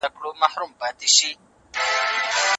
هغه وایي چې مسواک وهل د خوشاله ژوند یو بنسټ دی.